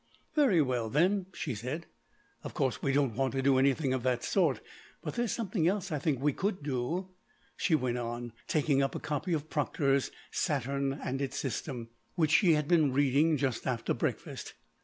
"Very well then," she said, "of course we don't want to do anything of that sort, but there's something else I think we could do," she went on, taking up a copy of Proctor's "Saturn and its System," which she had been reading just after breakfast.